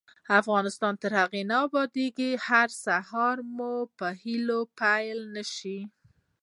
افغانستان تر هغو نه ابادیږي، ترڅو هر سهار مو په هیله پیل نشي.